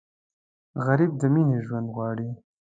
غریب له مینې ژوند غواړي